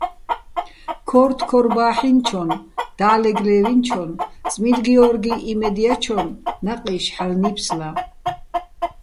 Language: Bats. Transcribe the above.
ქო́რთოქორბაჰ̦ინჩონ, და́ლეგ ლე́ვინჩონ წმიდგიორგიჼ იმედ ჲაჩონ ნაყი́შ ჰ̦ალო̆ ნიფსლა.